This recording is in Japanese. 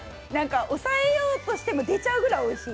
抑えようとしても出ちゃうぐらいおいしい。